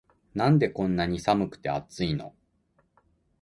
なんでこんなに寒くて熱いの